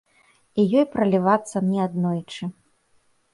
І ёй пралівацца неаднойчы.